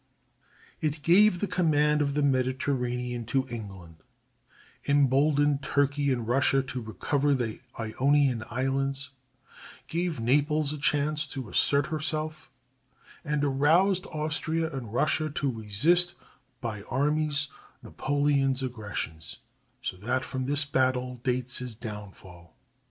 It gave the command of the Mediterranean to England, emboldened Turkey and Russia to recover the Ionian Islands, gave Naples a chance to assert herself, and aroused Austria and Russia to resist by armies Napoleon's aggressions, so that from this battle dates his downfall.